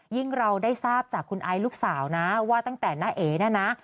เราได้ทราบจากคุณไอซ์ลูกสาวนะว่าตั้งแต่น้าเอ๋เนี่ยนะ